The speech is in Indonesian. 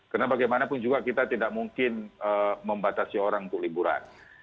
karena bagaimanapun juga kita tidak mungkin membatasi orang untuk liburan